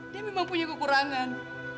dia memang punya kekurangan